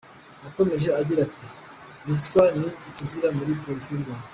Yakomeje agira ati "Ruswa ni ikizira muri Polisi y’u Rwanda.